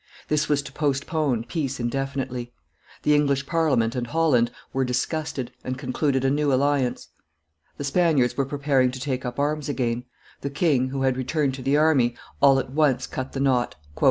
This was to postpone peace indefinitely. The English Parliament and Holland were disgusted, and concluded a new alliance. The Spaniards were preparing to take up arms again. The king, who had returned to the army, all at once cut the knot.